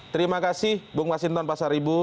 terima kasih bung masinton pasar ibu